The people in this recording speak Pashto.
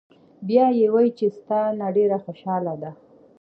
" بیا ئې وې چې " ستا نه ډېره خوشاله ده